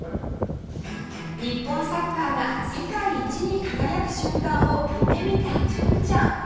日本サッカーが世界一に輝く瞬間を夢見た純ちゃん